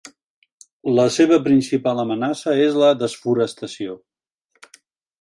La seva principal amenaça és la desforestació.